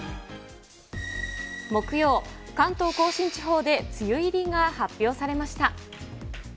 木曜、関東甲信地方で梅雨入りが発表されました。